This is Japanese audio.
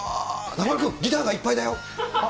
中丸君、ギターがいっぱいだよ。